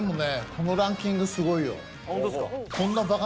このランキングすごいよ。